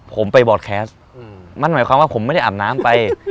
ผมไปบอร์ดแคสต์มันหมายความว่าผมไม่ได้อาบน้ำไป